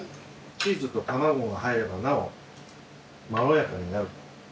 チーズと玉子が入ればなおまろやかになる。